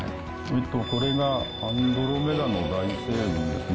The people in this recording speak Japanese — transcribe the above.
これがアンドロメダの大星雲ですね。